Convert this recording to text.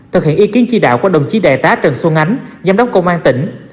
thực hiện ý kiến chi đạo của đồng chí đại tá trần xuân ánh giám đốc công an tỉnh